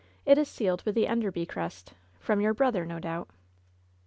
It is sealed with the Enderby crest. Frcfm your brother, no doubt."